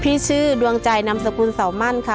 พี่ชื่อดวงจัยนำสกุลเสามั่นค่ะ